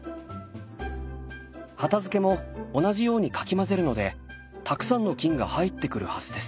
畑漬も同じようにかき混ぜるのでたくさんの菌が入ってくるはずです。